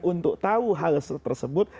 untuk tahu hal tersebut